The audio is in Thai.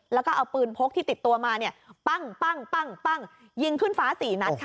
แล้วก็เอาปืนพกที่ติดตัวมาเนี่ยปั้งยิงขึ้นฟ้า๔นัดค่ะ